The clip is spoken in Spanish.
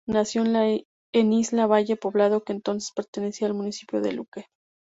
Nació en Isla Valle, poblado que entonces pertenecía al municipio de Luque.